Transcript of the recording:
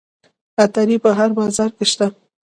عطاري په هر بازار کې شته.